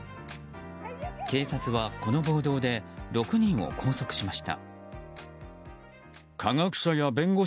警察は、この暴動で６人を拘束しました。